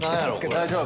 大丈夫？